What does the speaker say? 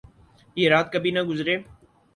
یہ رات کبھی نہ گزرے